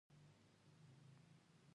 جانداد د ښو خبرو سیوری دی.